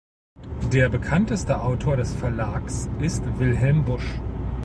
Der bekannteste Autor des Verlags ist Wilhelm Busch.